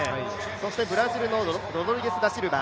そしてブラジルのロドリゲスダシルバ。